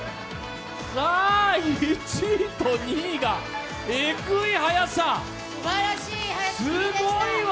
１位と２位がエグい速さ、すごいわ！